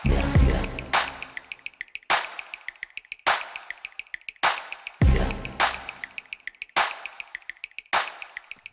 dan juga keahlian yang bisa dipelajari untuk mengembangkan bola